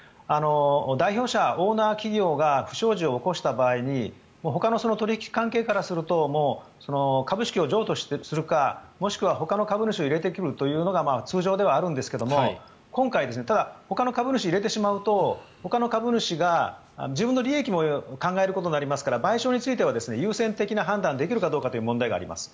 代表者、オーナー企業が不祥事を起こした場合にほかの取引関係からすると株式を譲渡するかもしくはほかの株主を入れてくるのが通常ではあるんですが今回、ただ、ほかの株主を入れてしまうとほかの株主が自分の利益も考えることになりますから賠償については優先的な判断ができるかという問題があります。